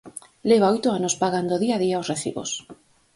Leva oito anos pagando día a día os recibos.